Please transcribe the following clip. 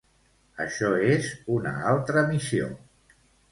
Això és una altra missió.